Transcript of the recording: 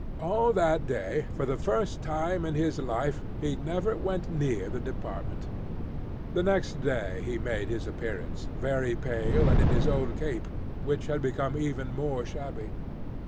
All that day, for the first time in his life, he never went near the department. The next day he made his appearance, very pale, and in his old cape, which had become even more shabby.